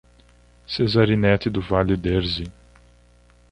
Cezarinete do Vale Derze